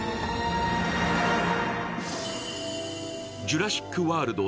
「ジュラシック・ワールド」